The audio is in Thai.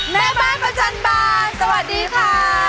แม่บ้านประจันบานสวัสดีค่ะ